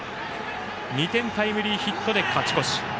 ２点タイムリーヒットで勝ち越し。